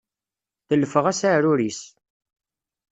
Teltef-as aεrur-is.